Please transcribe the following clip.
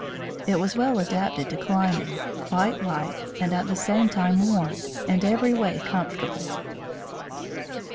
It was well adapted to climbing, quite light, and at the same time warm, and every way comfortable.